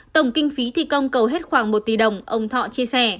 tổng kinh phí thi công cầu hết khoảng một tỷ đồng ông thọ chia sẻ